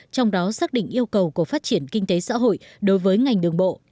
trong đó xác định yêu cầu của phát triển kinh tế xã hội đối với ngành đường bộ